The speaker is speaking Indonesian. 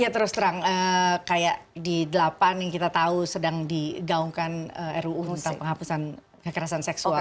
ya terus terang kayak di delapan yang kita tahu sedang digaungkan ruu tentang penghapusan kekerasan seksual